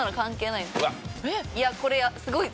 いやこれすごいぞ。